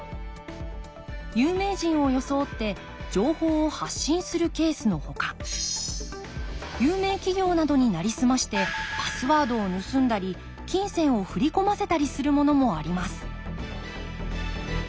有名人を装って情報を発信するケースのほか有名企業などになりすましてパスワードを盗んだり金銭を振り込ませたりするものもあります